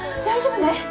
大丈夫ね？